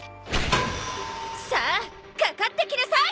さあかかってきなさい！